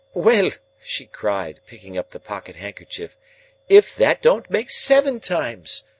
"Well!" she cried, picking up the pocket handkerchief, "if that don't make seven times!